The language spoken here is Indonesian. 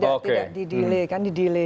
tidak tidak didilei kan didilei